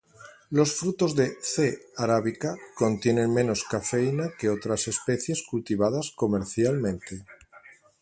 Los frutos de "C. arabica" contienen menos cafeína que otras especies cultivadas comercialmente.